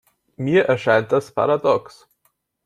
Mir erscheint das paradox.